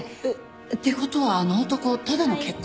っていう事はあの男ただの結婚